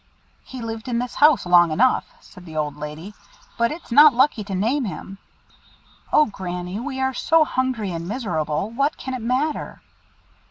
"He lived in this house long enough," said the old lady. "But it's not lucky to name him." "O Granny, we are so hungry and miserable, what can it matter?"